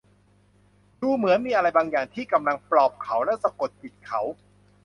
ดูเหมือนมีอะไรบางอย่างที่กำลังปลอบเขาและสะกดจิตเขา